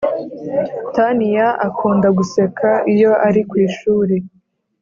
Taniya akunda guseka iyo ari ku ishuri